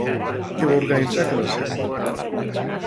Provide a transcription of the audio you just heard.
Què va organitzar a casa seva?